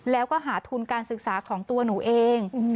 แล้วก็หาทุนการศึกษาของตัวหนูเอง